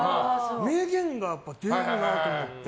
名言が出るなと思って。